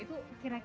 itu kira kira apa